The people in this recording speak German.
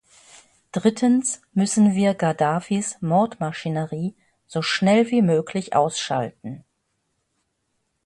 Drittens müssen wir Gaddafis Mordmaschinerie so schnell wie möglich ausschalten.